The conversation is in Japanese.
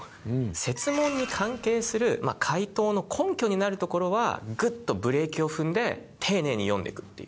設問に関係する解答の根拠になるところはグッとブレーキを踏んで丁寧に読んでいくっていう。